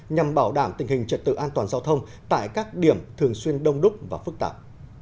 nhằm bảo đảm tình hình trật tự an toàn giao thông tại các điểm thường xuyên đông đúc và phức tạp